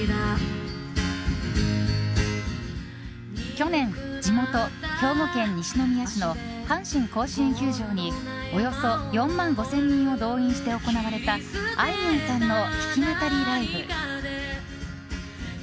去年、地元・兵庫県西宮市の阪神甲子園球場におよそ４万５０００人を動員して行われたあいみょんさんの弾き語りライブ。